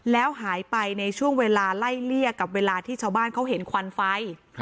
แล้วหายไปในช่วงเวลาไล่เลี่ยกับเวลาที่ชาวบ้านเขาเห็นควันไฟ